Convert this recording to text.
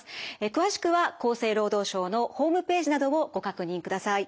詳しくは厚生労働省のホームページなどをご確認ください。